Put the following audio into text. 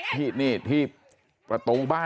ที่นี่ที่ประตูบ้าน